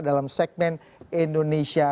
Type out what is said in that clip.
dalam segmen indonesia